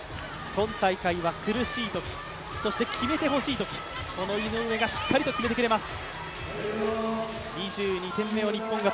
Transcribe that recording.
今大会は苦しいときそして決めてほしいとき、この井上がしっかりと決めてくれます。